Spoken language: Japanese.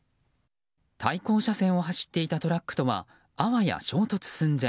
対向車線を走っていたトラックとは、あわや衝突寸前。